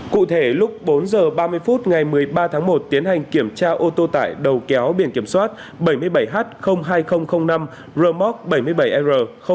cụ thể lúc bốn h ba mươi phút ngày một mươi ba tháng một tiến hành kiểm tra ô tô tại đầu kéo biển kiểm soát bảy mươi bảy h hai nghìn năm remox bảy mươi bảy r